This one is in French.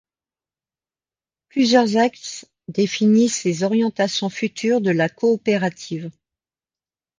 Plusieurs axes définissent les orientations futures de la coopérative.